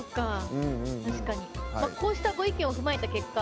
こうしたご意見を踏まえた結果